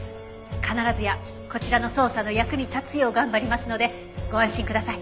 必ずやこちらの捜査の役に立つよう頑張りますのでご安心ください。